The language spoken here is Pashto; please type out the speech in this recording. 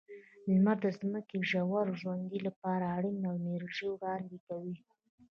لمر د ځمکې د ژور ژوند لپاره اړینه انرژي وړاندې کوي.